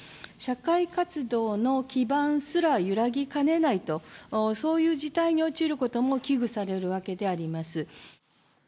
社会活動の基盤すら揺らぎかねないと、そういう事態に陥ることも危惧されるわけであります。